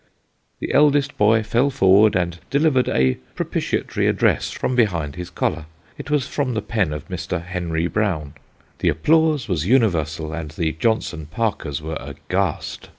The eldest boy fell forward, and delivered a propitiatory address from behind his collar. It was from the pen of Mr. Henry Brown ; the applause was universal, and the Johnson Parkers were aghast.